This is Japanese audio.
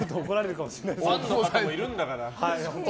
ファンの方もいるんだから。